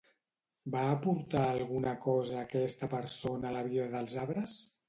Va aportar alguna cosa aquesta persona a la vida dels arbres?